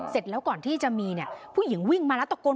เสร็จแล้วก่อนที่จะมีเนี่ยผู้หญิงวิ่งมาแล้วตะโกน